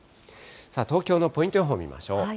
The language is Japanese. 東京のポイント予報見ましょう。